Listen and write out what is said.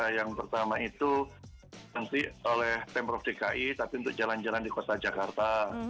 yang pertama itu nanti oleh pemprov dki tapi untuk jalan jalan di kota jakarta